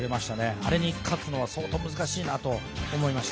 あれに勝つのは相当難しいと思います。